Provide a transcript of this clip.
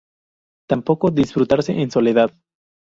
Tampoco disfrutarse en soledad.